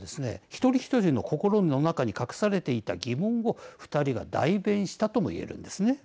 一人一人の心の中に隠されていた疑問を２人が代弁したとも言えるんですね。